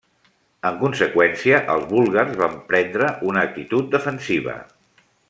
En conseqüència els búlgars van prendre una actitud defensiva.